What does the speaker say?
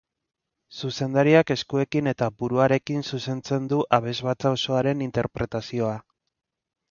Zuzendariak eskuekin eta buruarekin zuzentzen du abesbatza osoaren interpretazioa.